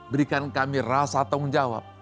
berikan kami rasa tanggung jawab